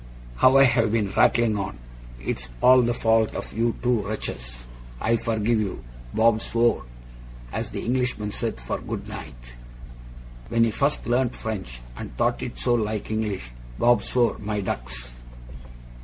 How I have been rattling on! It's all the fault of you two wretches. I forgive you! "Bob swore!" as the Englishman said for "Good night", when he first learnt French, and thought it so like English. "Bob swore," my ducks!